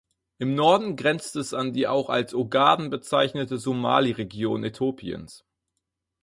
Im Norden grenzt es an die auch als Ogaden bezeichnete Somali-Region Äthiopiens.